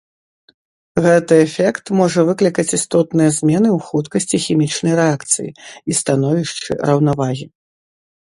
Гэты эфект можа выклікаць істотныя змены ў хуткасці хімічнай рэакцыі і становішчы раўнавагі.